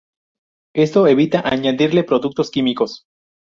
Esto evita añadirle productos químicos.